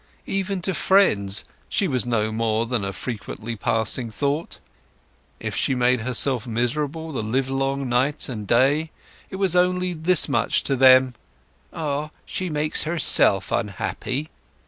Even to friends she was no more than a frequently passing thought. If she made herself miserable the livelong night and day it was only this much to them—"Ah, she makes herself unhappy."